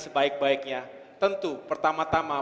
sebaik baiknya tentu pertama